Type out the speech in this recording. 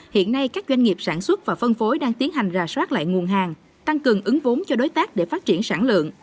hiện nay các doanh nghiệp sản xuất và phân phối đang tiến hành rà soát lại nguồn hàng tăng cường ứng vốn cho đối tác để phát triển sản lượng